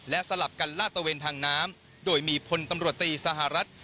และสลับกันลาดตะเวนทางน้ำโดยมีพลตำรวจตีสหรัฐ